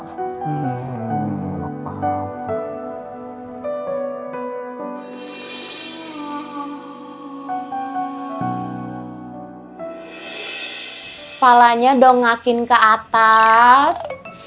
kepalanya dong ngakin ke atas